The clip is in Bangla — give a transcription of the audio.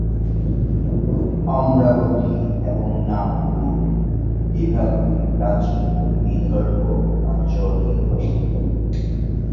অমরাবতী এবং নাগপুর বিভাগগুলি প্রাচীন বিদর্ভ অঞ্চল নিয়ে গঠিত।